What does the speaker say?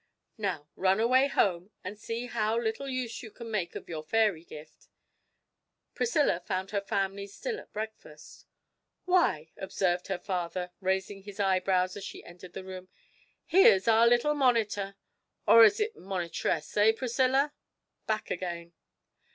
Now run away home, and see how little use you can make of your fairy gift.' Priscilla found her family still at breakfast. 'Why,' observed her father, raising his eyebrows as she entered the room, 'here's our little monitor (or is it monitress, eh, Priscilla?) back again.